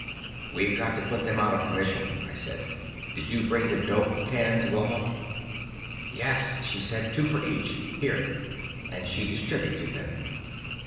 "We've got to put them out of commission," I said. "Did you bring the 'dope' cans, Wilma?" "Yes," she said, "two for each. Here," and she distributed them.